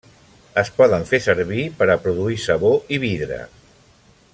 Es poden fer servir per a produir sabó i vidre.